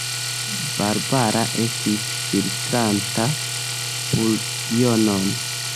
Barbara estis filtranta buljonon.